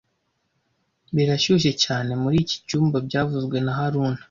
Birashyushye cyane muri iki cyumba byavuzwe na haruna